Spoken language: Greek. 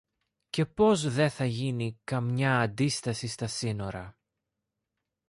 και πως δε θα γίνει καμιά αντίσταση στα σύνορα.